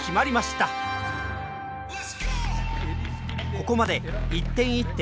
ここまで一点一点